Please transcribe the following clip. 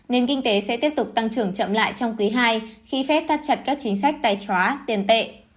nên kinh tế sẽ tiếp tục tăng trưởng chậm lại trong quý ii khi phép tắt chặt các chính sách tài tróa tiền tệ